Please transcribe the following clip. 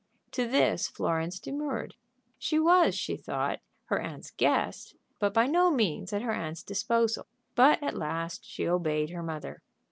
To this Florence demurred. She was, she thought, her aunt's guest, but by no means at her aunt's disposal. But at last she obeyed her mother.